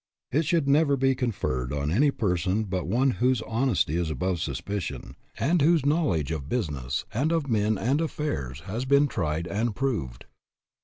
It should never be conferred on any person but one whose hon esty is above suspicion, and whose knowledge of business and of men and affairs has been tried and proved.